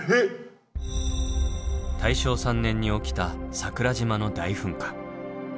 大正３年に起きた桜島の大噴火。